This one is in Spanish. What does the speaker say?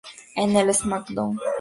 En el "SmackDown!